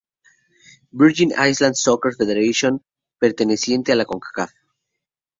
Virgin Islands Soccer Federation, perteneciente a la Concacaf.